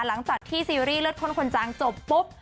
หลังจากที่ซีรีส์เลือดข้นคนจางจบปุ๊บ